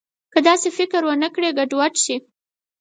که داسې فکر ونه کړي، ګډوډ شي.